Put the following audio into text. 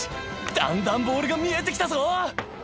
だんだんボールが見えて来たぞ。